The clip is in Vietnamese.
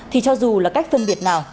thì cho dù là cách phân biệt nào